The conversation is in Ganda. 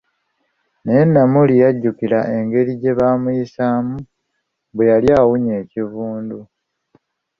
Naye Namuli yajjukira engeri gye bamuyisaamu, bwe yali awunya ekivundu .